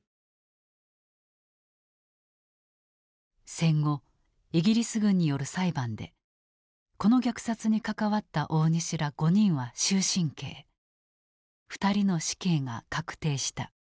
戦後イギリス軍による裁判でこの虐殺に関わった大西ら５人は終身刑２人の死刑が確定した。